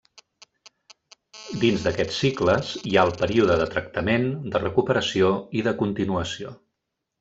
Dins d'aquests cicles hi ha el període de tractament, de recuperació i de continuació.